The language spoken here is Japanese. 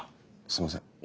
すいません。